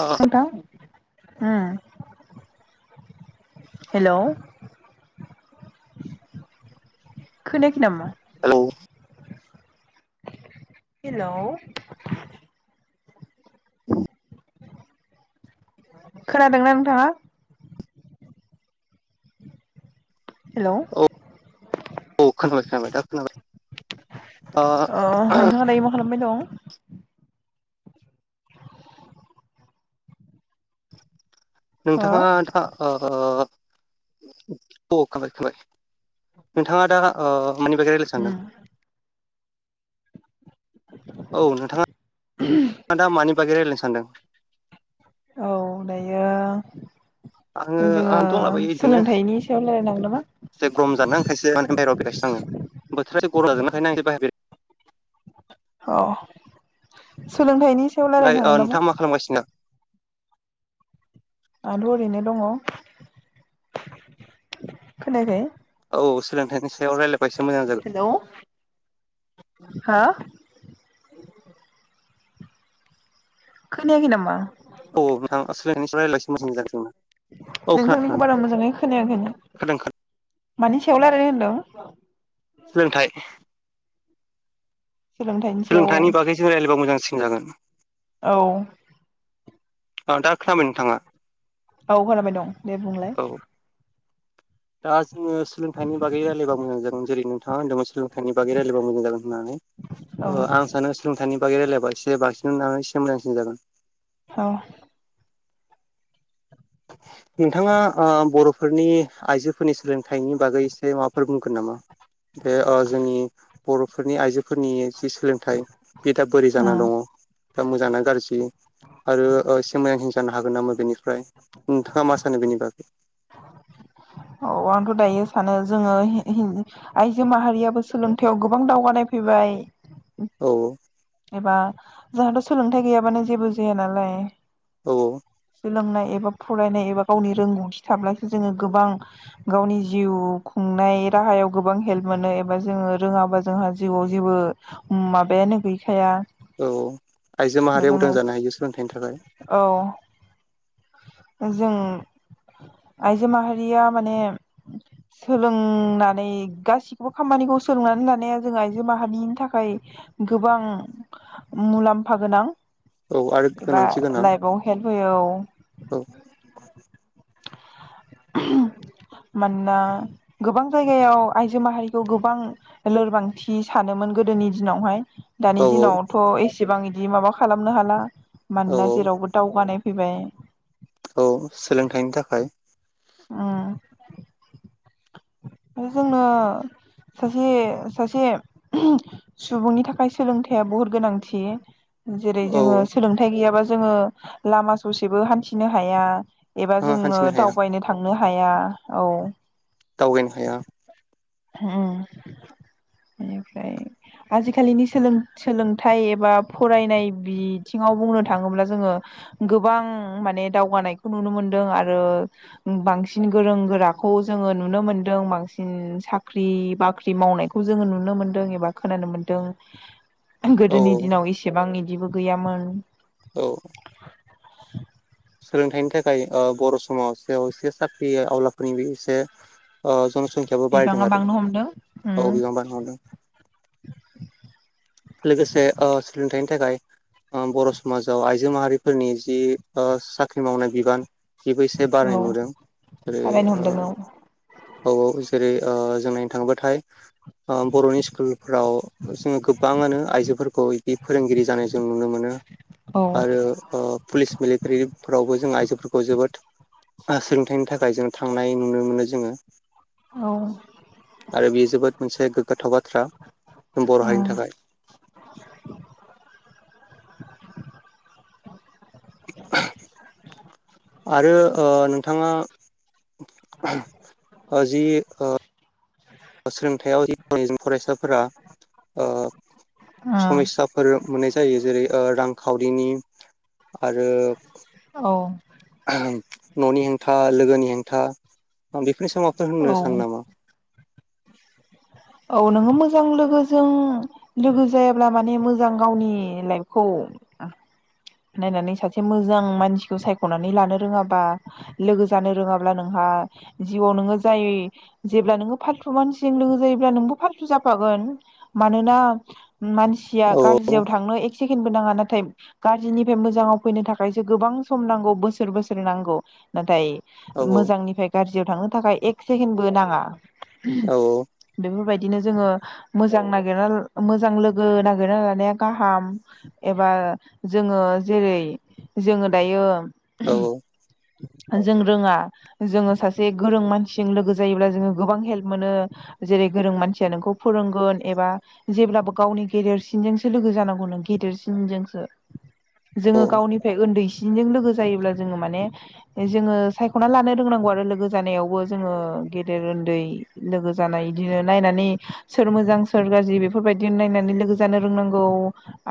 ओ नोंथां हेल' खोनायाखै नामा? हेल' हेल' खोनादोंना नोंथाङा हेलौ औ खोनादों अ नोंथाङा दायो मा खालामबाय दं हो नोंथाङा दा अ खोनाबाय खोनाबाय नोंथाङा दा मानि बागै रायलायनो सानदों उम औ नोंथाङा दा मानि बागै रायलायनो सानदों औ दायो आङो जोङो आं दंलाबायो बिदिनो एसे सोलोंथाइनि सायाव रायलायनांगोन नामा? [unintelligible] माने बाहेरायाव फैगासिनो आङो बोथोरा गरम जासोनाखायनो [unintelligible] औ सोलोंथाइनि सायाव बेराय ओमफ्राय रायलायनो ओ हागोन नामा नोंथाङा मा खालामगासिनो आंथ' ओरैनो दङ खोनायाखै औ सोलोंथाइनि सायाव रायलायबा एसे मोजां जागोन हेलौ हो खोनायाखै नामा औ नोंथां सोलायसोल' [unintelligible] औ खोनादों नोंथांनिखौ खोनादों बारा मोजाङै खोनादों मानि सायाव रायलायनो होनदों सोलोंथाइ सायाव औ सोलोंथाइनि बागै जों रायज्लायबा मोजांसिन जागोन औ अ दा खोनाबाय नोंथाङा औ खोनाबाय दं दे बुंलाय औ दा जोङो सोलोंथाइनि बागै रायलायबा मोजां जागोन जेरै नोंथांङा होनदोंमोन मानि बागै रायलायबा मोजां जागोन होननानै औ आं सानो सोलोंथाइ बागै रायलायबबा एसे बांसिन नाम मोजांसिन जागोन औ [inaudible] नोंथाङा बर'फोरनि आइजोफोरनि सोलोंथाइनि बागैसो माबाफोर बुंगोन नामा बे जोंनि बर'फोरनि आइजोफोरनि जि सोलोंथाइ बियोदा बोरै उम जानानानै दङ दा मोजांना गाज्रि आरो एसे मोजांसिन जानो हागोन नामा बेनिफ्राय नोंथाङा मा सानो बेनि बागै औ आंथ' दायो सानो जोङो आइजो माहारियाबो सोलोंथायाइआव गोबां दावगानाय फैबाय औ एबा जोंहाथ' सोलोंथाइ गैयाबानो जेबो जाया नालाय औ सोलोंनाय एबा फरायनाय एबा गावनि रोंगौथि थाब्लासो जोङो गोबां गावनि जिउ खुंनाय राहा गोबां हेल्प मोनो एबा जोङो रोङाबा जोंहा जिउआव जेबो माबायानो गैखाया औ आइजो माहारिया उदां जोंनो जानो हायो सोलोंथाइनि थाखाय औ जों आइजो माहारिया माने सोलोंनानै गासिखौबो खामानिखौ सोलोंनानै लानाया जों आइजो माहारिनि थाखाय गोबां मुलाम्फा गोनां औ आरो एबा गोनांथि गोनां लाइफआव हेल्प होयो औ [inaudible] मानोना गोबां जायगायाव आइजो माहारिखौ गोबां लोरबांथि सानोमोन गोदोनि दिनावहाय दानि औ दिनावथ' एसेबां इदि माबा खालामनो हाला औ मानोना औ जेरावबो दावगानाय फैबाय औ सोलोंथाइनि थाखाय उम ओ जोंना सासे सासे ओहम सुबुंनि थाखाय सोलोंथाइया बहुत गोनांथि जेरै औ जोङो सोलोंथाइ गैयाबा जोङो लामा ससेबो हान्थिनो हाया एबा औ जोङो हान्थिनो हाया दावबायनो थांनो हाया औ। दावगायनो हाया। होउम बेनिफ्राय आजिखालिनि सोलों-सोलोंथाइ एबा फरायनाय बिथिङाव बुंनो थाङोब्ला जोङो गोबां माने दावगानायखौ नुनो मोनदों आरो बांसिन गोरों गोराखौ ौ जोङो नुनो मोनदों बांसिन सा ख्रि बाख्रि मावनायखौ जोङो नुनो मोन्दों एबा खोनानो मोन्दों ओं औ गोदोनि दिनाव एसेबां इदिबो गैयामोन औ [inaudible] सोलोंथाइनि थाखाय ओ बर' समास बेयावस इसे साख्रि आवलाफोरनि बि इसे ओ जनसंखियाबो बारायदों बिबाङा आरो बांनो हमदों उम औ बियावनो बारहरदों लोगोसे ओ सोलोंथाइनि थाखाय ओ बर' समाजाव आइजो माहारिफोरनि जि ओ साख्रि मावनाय बिबान बेबो एसे औ बारायनाय नुदों ओरै थाबायनो ओ हमदों औ-औ जेरै ओ जों नायनो थांबाथाय ओ बर'नि स्कुलफ्राव जोङो गो बाङानो आइजोफोरखौ बिदि फोरोंगिरि जानाय जों नुनो मोनो औ आरो ओ पुलिस मिलिर्टिफोरावबो जों आइजोफोरखौ जोबोद आ सोलोंथाइनि थाखाय जों थांनाय नुनो मोनो जोङो औ आरो बेयो जोबोद मोनसे गोग्गोथाव बा थ्रा बर' हारिनि थाखाय। आरो ओ नोंथाङा [unintelligible] ओ जि ओ आंनिजों फरायसाफोरा ओ औ समयसाफोर मोननाय जायो जेरै ओ रांखावरिनि आरो औ आहां न'नि हेंथा लोगोनि हेंथा आं बेखोनो समावथ' होननो औ सानो नामा? [inaudible] औ नोङो मोजां लोगोजों लोगो जायाब्ला माने मोजां गावनि लाइफखौ [unintelligible] नायनानै सासे मोजां मानसिखौ सायख'नानै लानो रोङाबा लोगो जानो रोङाब्ला नोंहा आ जिउआव नोङो जाय जेब्ला नोङो फालथु मानसिजों लोगो जायोब्ला नोंबो फारसु जाफागोन मानोना मानसिया औ गाज्रियाव थांनो एक सेकेन्दबो नाङा ना थाय गाज्रिनिफ्राय मोजाङाव फैनो थाखायसो गोबां सम नांगौ बोसोर बोसोर नांगौ नाथाय औ मोजांनिफ्राय गाज्रियाव थांनो थाखाय एक सेकेनडबो नाङा। औ बिदिनो जोङो मोजां नागिरनाल मोजां लोगो नागिरना लानाया गाहाम एबा ओ जोङो जेरै जोङो दायो औ औ ओ जों रोङा जोङो सासे गोरों मानसिजों लोगो जायोब्ला जोङो गोबां हेल्प मोनो जेरै गोरों मानसिया नोंखौ फोरोंगोन एबा जेब्लाबो गावनि गेदेरसिनजोंसो लो गो जानांगौनो गेदेरसिनजोंसो औ जोङो गावनिफाय ओन्दैसि चिनजों लोगो जायोब्ला जोङो माने ए जोङो सायख'ना लानो रोंनांगौ आरो लोगो जानायावबो जोङो गेदेर उन्दै लोगो जानाय इदिनो नायनानै सोर मोजां सोर गाज्रि बेफोरबायदि नायनानै लोगो जानो रोंनांगौ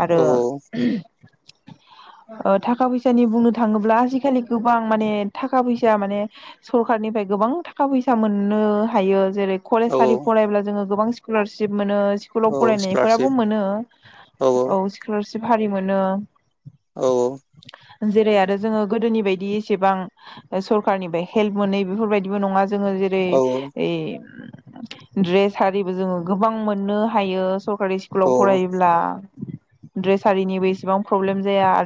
आरो औ ओ थाखा फैसानि बुंनो थाङोब्ला आजिखालि गोबां माने थाखा फैसा माने सरखारनि निफ्राय गोबां थाखा फैसा मोननो हायो जेरै औ कलेजारि फरायब्ला जोङो गोबां स्कलारशिप। मोनो स्कुलाव औ स्कलारशिप फरायनायफोराबो मोनो औ स्कलारशिप हारि मोनो। औ औ। जेरै आरो जोङो गोदोनि बायदि एसेबां सरखारनिफ्राय हेल्प मोनै बेफोरबायदिबो नङा। जोङो जेरै औ द्रेस आरिबो जोङो गोबां मोननो हायो स सरकारि स्कुलाव औ फरायोब्ला द्रेसारिनिबो इसेबां प्रब्लेम जाया आरो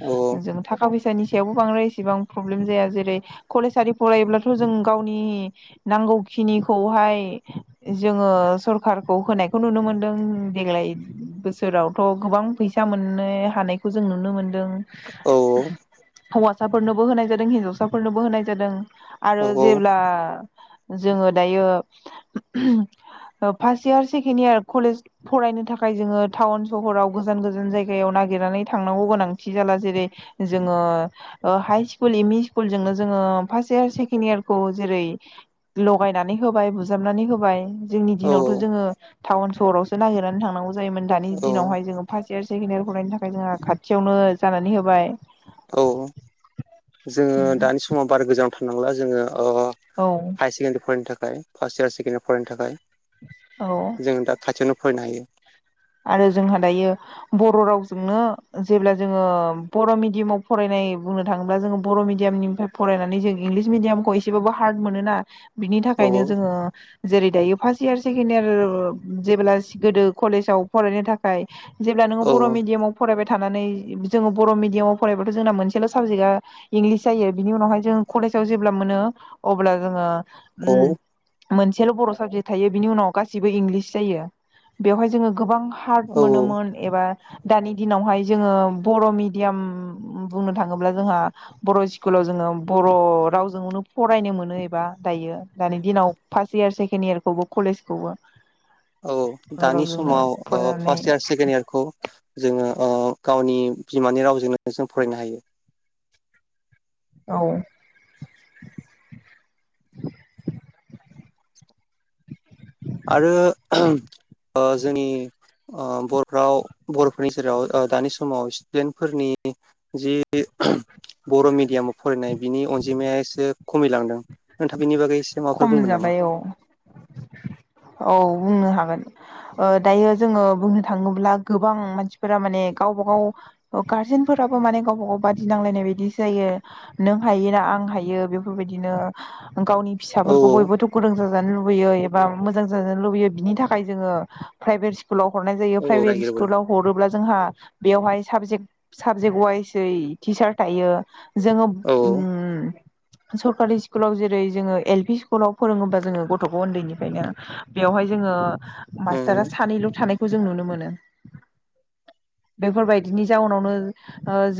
औ थाखा फैसा फैसानि सायावबो बांद्राय एसेबां प्रब्लेम जाया जेरै कलेजारि फरायोब्लाथ' जों गावनि नांगौ नांगौखिनि खौहाय जोङो सरखारखौ होनायखौ नुनो मोनदों देग्लाय बोसोर फोरावथ' गोबां फैसा मोननो हानायखौ जों नुनो मोन औ हौवसाफोरनोबो होनाय जादों हिनजावसाफोरनोबो होनाय जादों। आरो औ जेब्ला जोङो दायो first year second year college फरायनो थाखाय जोङो टाउन सहराव गोजान गोजान जायगायाव न नागिरनानै थांनांगौ गोनां जाला जेरै जोङो ओ हाइ स्कुल एम इ स्कुलजोंनो जोङो अ फास इयार सेकेन्द इयारखौ जेरै ल लगायनानै होबाय बुजाबनानै होबाय जोंनि औ दिनावथ' जोङो टाउन सहरावसो नागिरनानै थांनांगौ जायोमोन दानि दिनावहाय जोङो फार्स्ट इयार सेकेण्ड इयार फरायनो थाखाय जोंहा खाथियावनो जानानै होबाय। औ जोङो दानि समाव बारा गोजानाव थांनांला जोङो अ औ हायार सेकेण्डारि फरायनो थाखाय फार्स्ट इयार सेकेण्ड इयार फरायनो थाखाय। औ जों दा खाथियावनो फरायनो हायो। आरो जोंहा दायो बर' रावजोंनो जेब्ला जोङो बर' मिडियामाव फरायनाय बुंनो थाङोब्ला जों बर' मिडियामनिफ्राय फरायनानै जों इंलिस मिडियामखौ एसेबाबो हार्ड मोनो ना बिनि औ थाखायनो जोङो जेरै दायो फार्स्ट इयार सेकेणड इयार जेब्ला गोदो कलेजाव फरायनो थाखाय जेब्ला नोङो औ बर' मिडियामाव फरायबाय थ थानानै जोङो बर' मिडियामाव फरायबाथ' जोंना मोनसेल' साबजेक्टआ इंलिस जायो बिनि उनाहाय जों कलेज जाव जेब्ला मोनो अब्ला जोङो औ उम मोनसेल' बर' साबजेक्ट थायो बिनि उनाव गासिबो इंलिस जायो बेवहाय जोङो गोबां हार्ट औ मोनोमोन एबा दानि दिनावहाय जोङो बर' मिडियाम बुंनो थाङोब्ला जोंहा बर' स्कुलाव जोङो बर' रावजोंनो फरायनो मोनो एबा दायो दानि दिनाव फार्स इयार सेकेण्ड इयार बेखौबो कलेजखौबो। औ बर' दानि रावजोंनो समाव ओ फरायनानै फार्स्ट इयार सेकेणड इयारखौ जोङो ओ गावनि बिमानि रावजोंनो जों फरायनो हायो। औ। आरो ओ जोंनि ओ बर' राव बर'फोरनि जेराव ओ दानि समाव स्टुडेन्टफोरनि जि बर' मिडियामाव फरायनाय बिनि अनजिमाया एसे खमिलांदों नोंथाङा बिनि बागै एसे माबाफोर खम बुंगोन नामा जाबाय औ। औ बुंनो हागोन ओ दायो जोङो बुंनो थाङोब्ला गोबां मानसिफोरा माने गावबा गाव गारजेनफोराबो माने गावबा गाव बादि नांलायनाय बायदि जायो नों हायोना आं आं हायो बेफोर बायदिनो गावनि औ फिसाफोरखौ बयबोथ' गुदुं जाजानो लुबैयो एबा मोजां जाजानो लुबैयो बिनि थाखाय जोङो प्राइभेट स्कु स्कुलाव हरनाय जायो औ औ प्राइभेट नागिरबोदों स्कुलाव हरोब्ला जोंहा बेवहाय साबजेक साबजेक्ट वाइसै टिचार थायो। जोङो औ ओम सरकारि स्कुलाव जेरै जोङो एल पि स्कुलाव फोरोङोबा जोङो गथ'खौ उन्दैनिफ्रायनो बेवहाय जोङो। मास्टारा उम सानैल' थानायखौ जों नुनो मोनो। बेफोरबायदिनि जाउनावनो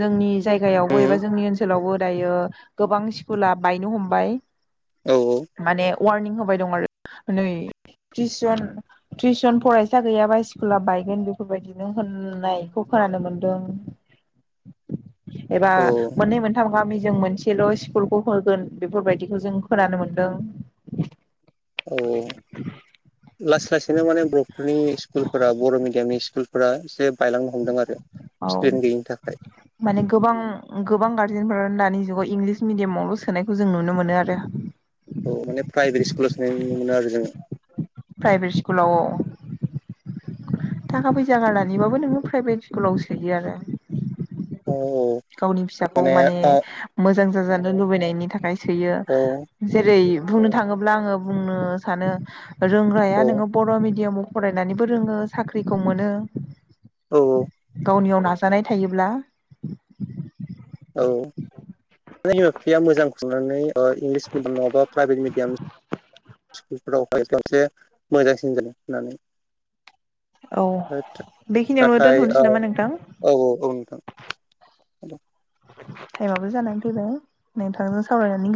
जोंनि जायगायावबो एबा उम जोंनि ओनसोलावबो दायो। गोबां स्कुला बायनो हमबाय औ माने। वारनिं होबाय दं आरो नै। ट्रिस जन ट्रिस जन फरायसा गैयाबा स्कुला बायगोन बेफोरबायदिनो होननायखौ खोनानो मोनदों। एबा औ मोननै मोनथाम गामि जों मोनसेल' स्कुलखौ होगोन बेफोरबायदिखौ जों खोनानो मोनो। दों औ लासै लासैनो माने बर'फोरनि स्कुलफोरा बर' मिडियामनि स्कु स्कुलफ्रा एसे बायलांनो हमदों आरो औ स्टुडेन्ट गैयिनि थाखाय माने गोबां गोबां गारजेन फोरानो दानि जुगाव इंलिस मिडियामावल' सोनायखौ जों नुनो मोनो आरो। औ माने प्राइभेट स्कुलाव सोननाय नुनो मोनो आरो जोङो। प्राइभेट स्कुलाव औ थाखा फैसा गारनानैबाबो नोङो प्राइभेट स्कुलाव सोयो आरो औ गावनि फिसाखौ माने मोजां जाजानो लुबैनायनि थाखाय सोयो ओ जेरै बुंनो थाङोब्ला आङो बुंनो सानो औ रोंग्राया नोङो बर' मिडियामाव फरायनानैबो रोङो साख्रिखौ मोनो। औ गावनियाव नाजानाय थायोब्ला औ बिमा बिफाया मोजां खुंनानै इंलिस मिडियाम नाबा प्राइभेट मिडियाम स्कुलफोरावहाय खावसे मोजांसिन जादों होननानै औ बेखिनियावनो नाथाय दोनथ'नोसै औ नामा नोंथां औ औ नोंथां। हेल' टाइमाबो जानानै फैबाय नोंथांजों सावरायनानै